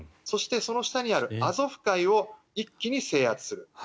そしてその下にあるアゾフ海を一気に制圧する。